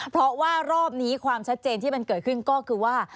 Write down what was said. เพราะว่ารอบนี้ความชัดเจนที่มันเกิดขึ้นก็คือว่า